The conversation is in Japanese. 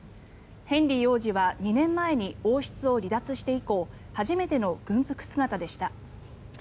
ヘンリー王子は２年前に王室を離脱して以降初めての軍服姿でした。